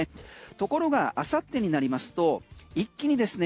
ところが、あさってになりますと一気にですね